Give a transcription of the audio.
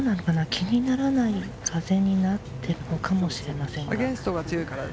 気にならない風になってるのかもしれませんね。